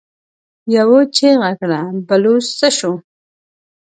يوه چيغه کړه: بلوڅ څه شو؟